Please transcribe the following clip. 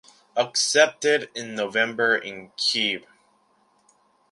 Accepted in November in Kyiv.